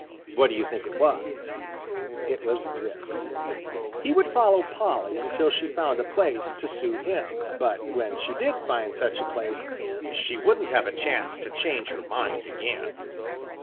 What do you think it was? It was this: He would follow Polly until she found a place to suit him, but when she did find such a place she shouldn't have a chance to change her mind again.